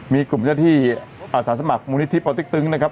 มีกลุ่มแนวที่อาสาสมัครมุมนิทธิปเต๊กตึ๊งนะครับ